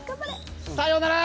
さようなら！！